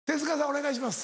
お願いします。